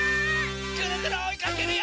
ぐるぐるおいかけるよ！